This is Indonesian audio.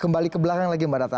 balik ke belakang lagi mbak ratna